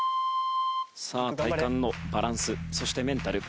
さあ体幹のバランスそしてメンタル。